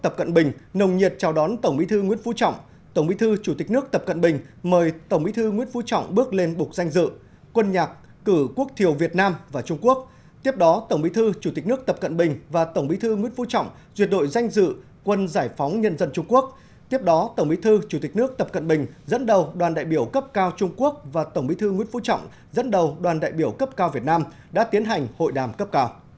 hai mươi hai phát đại bắc đã vang lên chào mừng tổng bí thư nguyễn phú trọng và đoàn đại biểu cấp cao việt nam tiến vào cổng bắc đại lễ đường nhân dân